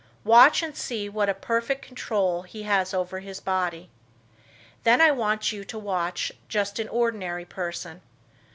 Watch and see what a perfect control he has over his body. Then I want you to watch just an ordinary person.